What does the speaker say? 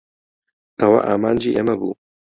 ئەوە ئامانجی ئێمە بوو.